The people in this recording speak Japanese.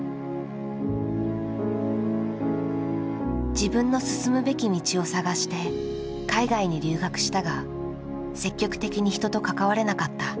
自分の進むべき道を探して海外に留学したが積極的に人と関われなかった。